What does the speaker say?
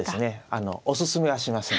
あのおすすめはしません。